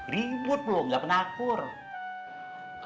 ribut lho tidak ber makerskins